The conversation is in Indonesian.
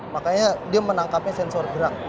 makanya dia menangkapnya sensor gerak